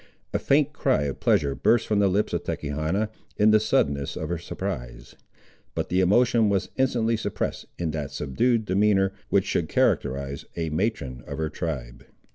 A faint cry of pleasure burst from the lips of Tachechana in the suddenness of her surprise, but the emotion was instantly suppressed in that subdued demeanour which should characterise a matron of her tribe.